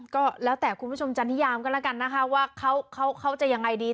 ก็แล้วแต่คุณผู้ชมจันนิยามกันแล้วกันนะคะว่าเขาจะยังไงดี